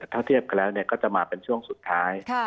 ถ้าเทียบกันแล้วก็จะมาเป็นช่วงสุดท้าย